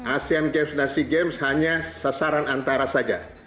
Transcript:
asean games dan sea games hanya sasaran antara saja